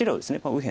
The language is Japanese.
右辺